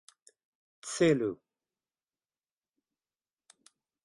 Celu!